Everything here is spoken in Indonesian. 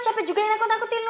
ih enggak ya lu ada apa